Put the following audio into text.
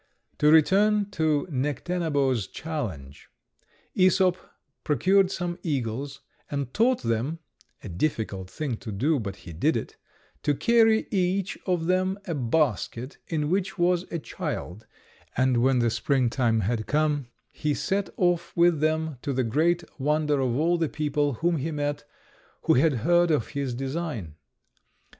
To return to Necténabo's challenge. Æsop procured some eagles, and taught them (a difficult thing to do, but he did it) to carry each of them a basket in which was a child, and when the spring time had come, he set off with them, to the great wonder of all the people whom he met who had heard of his design.